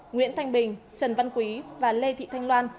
nguyễn thanh bình trần văn quý và lê thị thanh loan